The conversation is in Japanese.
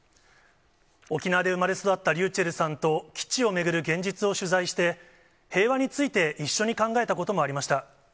沖縄で生まれ育ったｒｙｕｃｈｅｌｌさんと基地を巡る現実を取材して、平和について一緒に考えたこともありました。